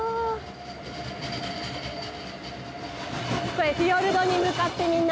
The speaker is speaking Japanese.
これフィヨルドに向かってみんな。